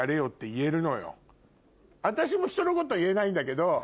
私もひとのこと言えないんだけど。